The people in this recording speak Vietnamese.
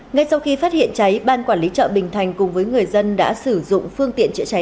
ngay sau khi phát hiện cháy ban quản lý chợ bình thành cùng với người dân đã sử dụng phương tiện chữa cháy